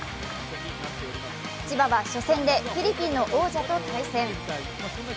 千葉は初戦でフィリピンの王者と対戦。